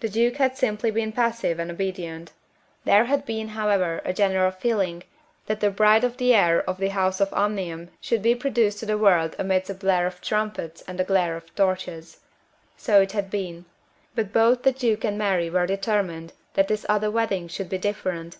The Duke had simply been passive and obedient. There had however been a general feeling that the bride of the heir of the house of Omnium should be produced to the world amidst a blare of trumpets and a glare of torches. So it had been. But both the Duke and Mary were determined that this other wedding should be different.